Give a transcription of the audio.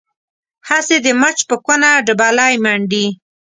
هسې د مچ په کونه ډبلی منډي.